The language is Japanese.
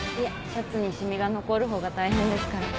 シャツに染みが残る方が大変ですから。